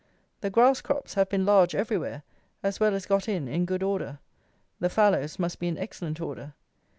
The grass crops have been large everywhere, as well as got in in good order. The fallows must be in excellent order.